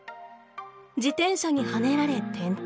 自転車にはねられ転倒。